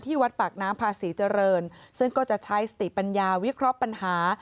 วัดปากน้ำพาศรีเจริญซึ่งก็จะใช้สติปัญญาวิเคราะห์ปัญหา